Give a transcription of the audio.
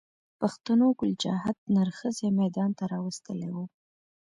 پښتنو ګل چاهت نر ښځی ميدان ته را وستلی و